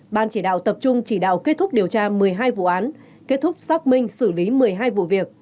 ban chỉ đạo tập trung chỉ đạo kết thúc điều tra một mươi hai vụ án kết thúc xác minh xử lý một mươi hai vụ việc